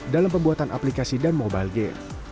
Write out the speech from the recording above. dalam pembuatan aplikasi dan mobile game